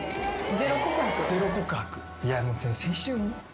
ゼロ告白。